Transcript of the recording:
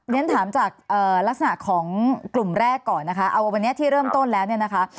เรียนถามจากลักษณะของกลุ่มแรกก่อนนะคะเอาวันนี้ที่เริ่มต้นแล้วเนี่ยนะคะ